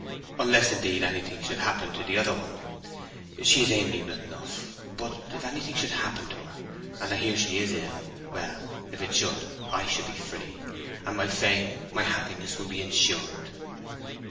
Unless, indeed, anything should happen to the other one. She is amiable enough; but if anything should happen to her—and I hear she is ill—well, if it should, I should be free—and my fame, my happiness, would be insured."